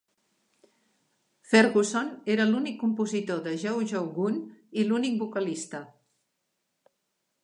Ferguson era l'únic compositor de Jo Jo Gunne i l'únic vocalista.